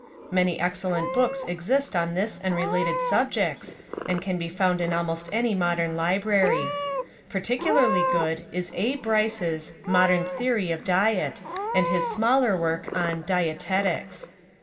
Many excellent books exist on this and related subjects, and can be found in almost any modern library. Particularly ,,, good is A. Brvce's Modern T h e o r y of Diet Modern ",,„■,_^.. j, t. ',.,.„ and his smaller work on Dietetics.